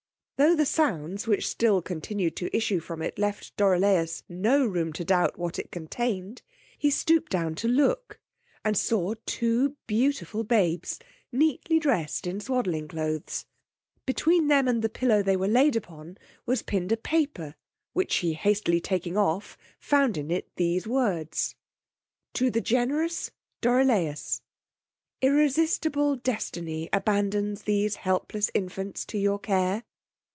Tho' the sounds which still continued to issue from it left Dorilaus no room to doubt what it contained; he stooped down to look, and saw two beautiful babes neatly dressed in swadling cloaths: between them and the pillow they were laid upon was pinned a paper, which he hastily taking off, found in it these words. To the generous DORISLAUS: 'Irresistible destiny abandons these helpless infants to your care.